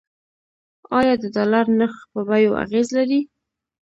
آیا د ډالر نرخ په بیو اغیز لري؟